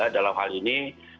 dalam hal ini